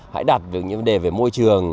hãy đặt những vấn đề về môi trường